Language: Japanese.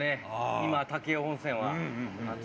今、武雄温泉は。